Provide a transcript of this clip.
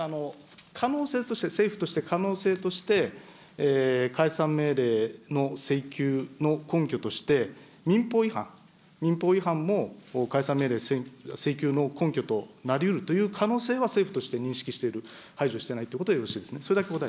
可能性として、政府として、可能性として、解散命令の請求の根拠として、民法違反、民法違反も解散命令請求の根拠となりうるという可能性は政府として認識している、排除してないということでよろしいですね。